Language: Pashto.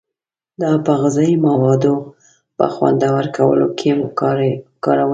دا په غذایي موادو په خوندور کولو کې کارول کیږي.